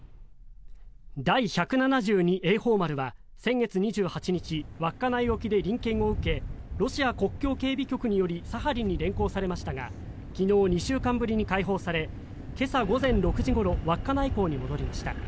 「第１７２栄宝丸」は先月２８日、稚内沖で臨検を受けロシア国境警備局によりサハリンに連行されましたが昨日、２週間ぶりに解放され今朝午前６時ごろ稚内港に戻りました。